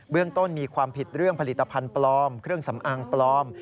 เรื่องต้นมีความผิดเรื่องผลิตภัณฑ์ปลอมเครื่องสำอางปลอม